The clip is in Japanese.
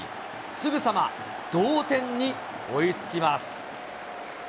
すぐさま同点に追いつきます。